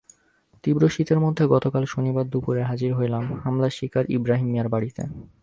তীব্র শীতের মধ্যেই গতকাল শনিবার দুপুরে হাজির হলাম হামলার শিকার ইব্রাহিম মিয়ার বাড়িতে।